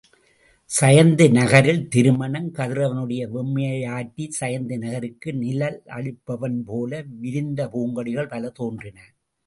சயந்தி நகரில் திருமணம் கதிரவனுடைய வெம்மையை ஆற்றிச் சயந்தி நகருக்கு நிழலளிப்பவன்போல விரித்த பூங்கொடிகள் பல தோன்றின.